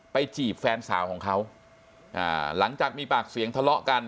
จีบแฟนสาวของเขาอ่าหลังจากมีปากเสียงทะเลาะกัน